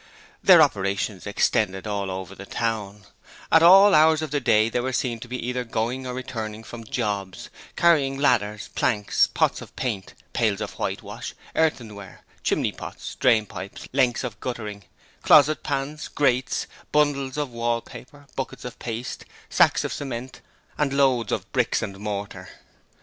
Their operations extended all over the town: at all hours of the day they were to be seen either going or returning from 'jobs', carrying ladders, planks, pots of paint, pails of whitewash, earthenware, chimney pots, drainpipes, lengths of guttering, closet pans, grates, bundles of wallpaper, buckets of paste, sacks of cement, and loads of bricks and mortar.